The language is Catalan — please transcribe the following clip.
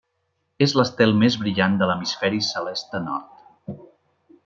És l'estel més brillant de l'hemisferi celeste nord.